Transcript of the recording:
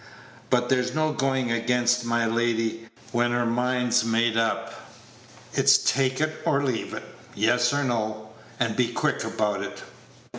But there's no going against my lady when her mind's made up. It's take it or leave it yes or no and be quick about it."